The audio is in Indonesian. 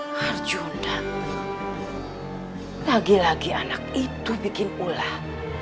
pak arjuna lagi lagi anak itu bikin ulah